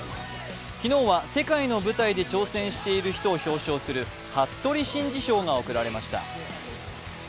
昨日は世界の舞台で挑戦している人を表彰する服部真二賞が贈られました。